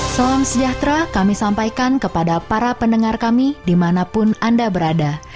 salam sejahtera kami sampaikan kepada para pendengar kami dimanapun anda berada